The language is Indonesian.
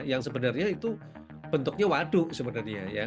yang sebenarnya itu bentuknya waduk sebenarnya ya